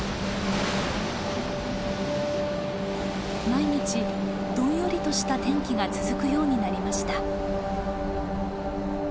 毎日どんよりとした天気が続くようになりました。